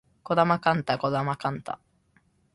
児玉幹太児玉幹太